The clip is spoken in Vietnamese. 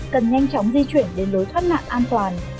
cần nhanh chóng di chuyển đến lối thoát nạn an toàn